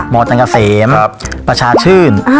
มตเซมประชาชื่น